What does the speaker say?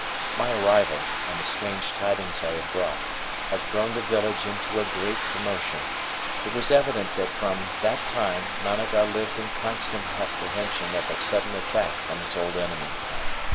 My arrival, and the strange tidings I had brought, had thrown the village into a great commotion; it was evident that from that time Managa lived in constant apprehension of a sudden attack from his old enemy.